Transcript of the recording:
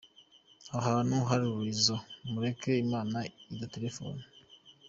Aha hantu hari Raison mureke Imana iduterefone”.